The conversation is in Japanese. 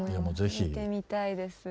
聴いてみたいです。